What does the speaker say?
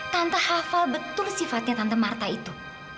tanpa hafal betul sifatnya tante marta itu